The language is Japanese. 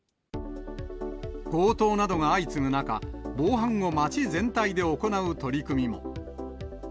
強盗などが相次ぐ中、防犯を街全体で行う取り組みも。